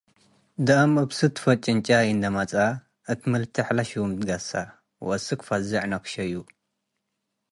ደአም፡ እብ ስድፈት ጭንጫይ እንዴ መጽአ እት ምልቴሕ ለሹም ትገሰ' ወአስክ ፈዜ'ዕ ነክሸዩ።